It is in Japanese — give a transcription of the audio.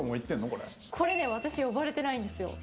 私、呼ばれてないんですよ。